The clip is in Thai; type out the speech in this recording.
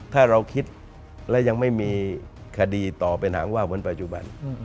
ถ้าเราคิดและยังไม่มีคดีต่อเป็นหางว่าวเหมือนปัจจุบัน